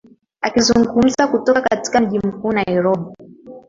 akizungumza kutoka katika mji mkuu nairobi